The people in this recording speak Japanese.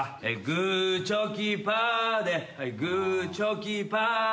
「グーチョキパーでグーチョキパーで」